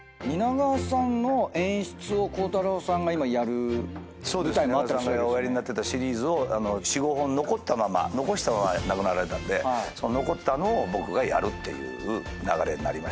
蜷川さんがおやりになってたシリーズを４５本残ったまま残したまま亡くなられたんでその残ったのを僕がやるっていう流れになりましたね。